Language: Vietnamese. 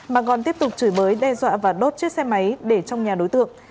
mà còn tiếp tục chửi bới đe dọa và đốt chiếc xe máy để trong nhà đối tượng